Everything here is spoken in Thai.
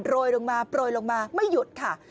ยลงมาโปรยลงมาไม่หยุดค่ะ